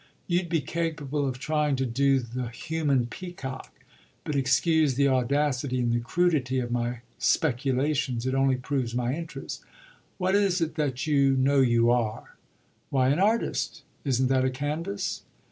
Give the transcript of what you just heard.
"You'd be capable of trying to 'do' the human peacock. But excuse the audacity and the crudity of my speculations it only proves my interest. What is it that you know you are?" "Why, an artist. Isn't that a canvas?"